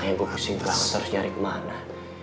kayaknya gue bising banget terus nyari kemana